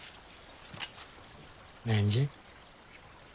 何じゃい？